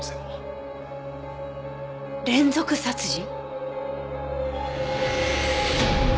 連続殺人？